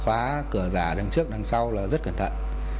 khi đi thì cũng là khóa cửa giả đằng trước đằng sau là rất cẩn thận